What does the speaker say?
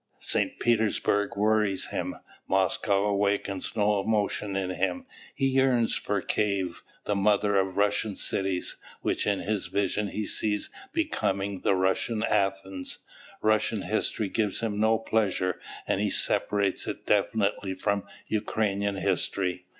St. Petersburg wearies him, Moscow awakens no emotion in him, he yearns for Kieff, the mother of Russian cities, which in his vision he sees becoming "the Russian Athens." Russian history gives him no pleasure, and he separates it definitely from Ukrainian history.